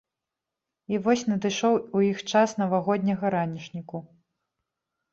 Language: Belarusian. І вось надышоў у іх час навагодняга ранішніку.